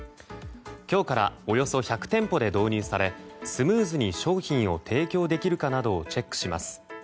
今日からおよそ１００店舗で導入され、スムーズに商品を提供できるかなどをチェックします。